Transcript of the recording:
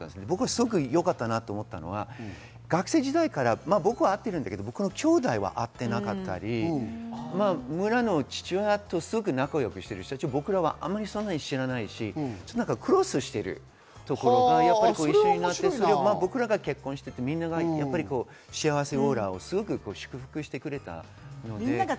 すごくよかったなと思ったのは学生時代から僕は会ってるけど僕の兄弟は会ってなかったり、村の父親とすごく仲良くしている人たち、僕らはあまり知らないし、クロスしているところがやっぱり一緒になって僕らが結婚して、みんなが幸せオーラをすごく祝福してくれたので。